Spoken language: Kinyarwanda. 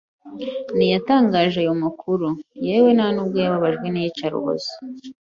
Ntiyatangaje ayo makuru, yewe nta nubwo yababajwe n'iyicarubozo.